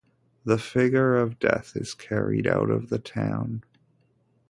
The figure of Death is carried out of the town.